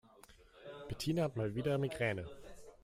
Bettina hat mal wieder Migräne.